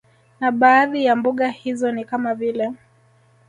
Na baadhi ya mbuga hizo ni kama vile